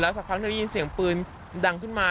แล้วสักครู่ที่ได้ยินเสียงปืนดังขึ้นมา